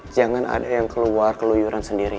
jangan ada yang keluar keluyuran sendiri